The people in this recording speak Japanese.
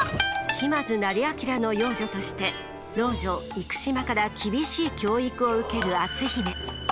島津斉彬の養女として老女幾島から厳しい教育を受ける篤姫。